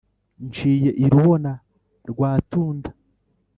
niciye i rubona rwa tunda,